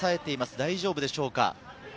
大丈夫でしょうか？